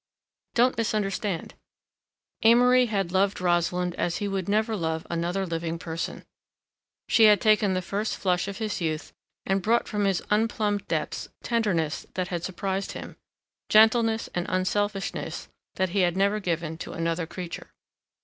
Don't misunderstand! Amory had loved Rosalind as he would never love another living person. She had taken the first flush of his youth and brought from his unplumbed depths tenderness that had surprised him, gentleness and unselfishness that he had never given to another creature.